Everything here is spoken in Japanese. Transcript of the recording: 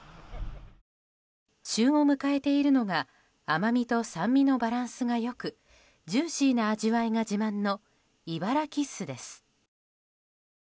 旬を迎えているのが甘みと酸味のバランスが良くジューシーな味わいが自慢のいばらキッスです。